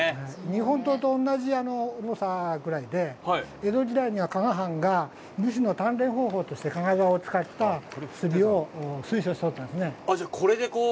日本刀と同じ重さぐらいで、江戸時代には加賀藩が武士の鍛錬方法として加賀竿を使った釣りを推奨していたんですね。